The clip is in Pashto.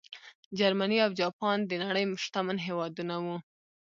جرمني او جاپان د نړۍ شتمن هېوادونه وو.